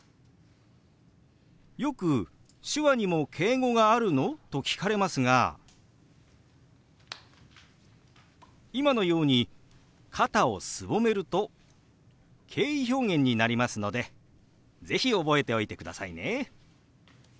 よく「手話にも敬語があるの？」と聞かれますが今のように肩をすぼめると敬意表現になりますので是非覚えておいてくださいね。